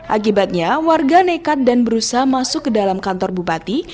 akibatnya warga nekat dan berusaha masuk ke dalam kantor bupati